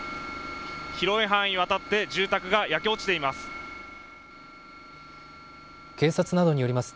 広い範囲にわたって住宅が焼け落ちています。